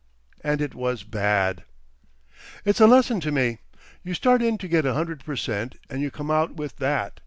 And it was bad! "It's a lesson to me. You start in to get a hundred percent. and you come out with that.